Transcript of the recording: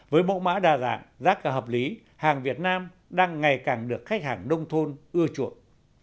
với mẫu mã đa dạng giá cả hợp lý hàng việt nam đang ngày càng được khách hàng nông thôn ưa chuộng